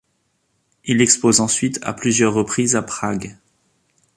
Il expose ensuite à plusieurs reprises à Prague.